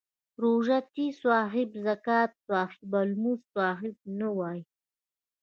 روژه تي صاحب، زکاتې صاحب او لمونځي صاحب نه وایي.